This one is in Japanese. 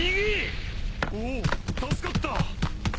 おお助かった！